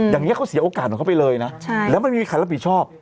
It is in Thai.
อย่างนี้เขาเสียโอกาสของเขาไปเลยนะแล้วไม่มีใครรับผิดชอบ